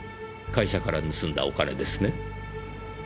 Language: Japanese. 会社から盗んだお金ですね？